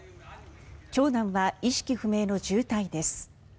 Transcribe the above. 長男は意識不明の重体です。